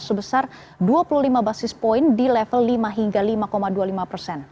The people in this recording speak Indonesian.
sebesar dua puluh lima basis point di level lima hingga lima dua puluh lima persen